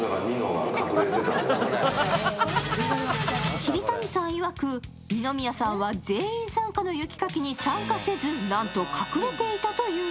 桐谷さんいわく、二宮さんは全員参加の雪かきに参加せず、なんと隠れていたという。